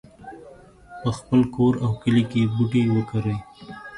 په خپل کور او کلي کې بوټي وکرئ